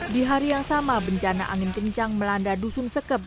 di hari yang sama bencana angin kencang melanda dusun sekep